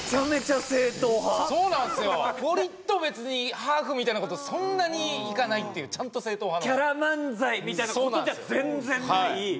そうなんすよゴリッと別にハーフみたいなことそんなにいかないっていうちゃんと正統派のキャラ漫才みたいなことじゃ全然ない